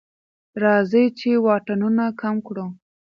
راځئ چې واټنونه کم کړو.